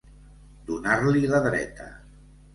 Donar-li la dreta.